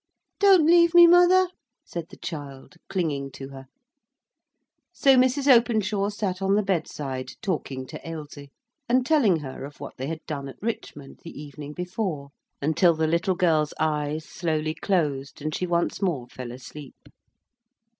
"Don't leave me, mother," said the child, clinging to her. So Mrs. Openshaw sate on the bedside talking to Ailsie, and telling her of what they had done at Richmond the evening before, until the little girl's eyes slowly closed and she once more fell asleep.